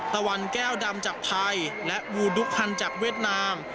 ตะวันแก้วดำจากไทยและวูดุฮันจากเวียดนาม